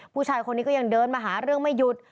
ผู้ชายคนนี้ก็ยังเดินมาหาเรื่องไม่หยุด